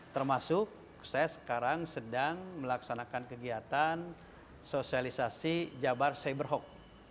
termasuk saya sekarang sedang melaksanakan kegiatan sosialisasi jabar cyberhoac